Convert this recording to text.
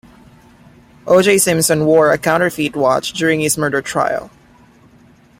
O. J. Simpson wore a counterfeit watch during his murder trial.